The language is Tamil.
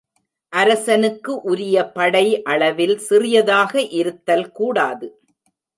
அரசனுக்கு உரிய படை அளவில் சிறிதாக இருத்தல் கூடாது.